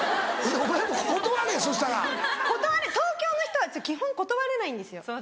断る東京の人は基本断れないんですよ。